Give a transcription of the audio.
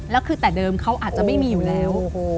แล้วคือแต่เดิมเขาอาจจะไม่มีอยู่แล้ว